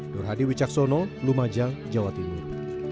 nur hadi wicaksono lumajang jawa timur